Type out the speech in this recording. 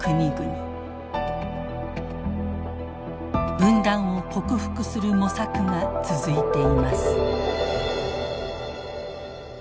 分断を克服する模索が続いています。